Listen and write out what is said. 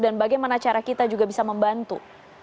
dan bagaimana cara kita juga bisa membantu